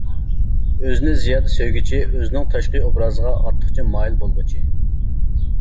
ئۆزىنى زىيادە سۆيگۈچى، ئۆزىنىڭ تاشقى ئوبرازىغا ئارتۇقچە مايىل بولغۇچى.